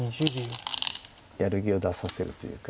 やる気を出させるというか。